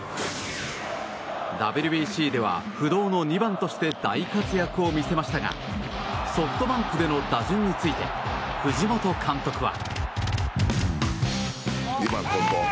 ＷＢＣでは不動の２番として大活躍を見せましたがソフトバンクでの打順について藤本監督は。